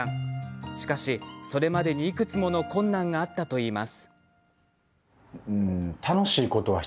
しかし、それまでにいくつもの困難があったといいます。